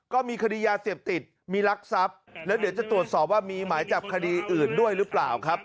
ก็มีคดียาเสพติดมีรักทรัพย์แล้วเดี๋ยวจะตรวจสอบว่ามีหมายจับคดีอื่นด้วยหรือเปล่าครับ